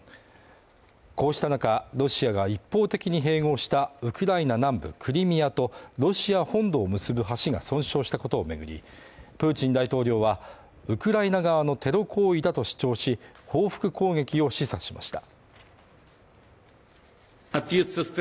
こうしたなか、ロシアが一方的に併合したウクライナ南部クリミアとロシア本土を結ぶ橋が損傷したことを巡り、プーチン大統領はウクライナ側のテロ行為だと主張し、報復攻撃を示唆しました。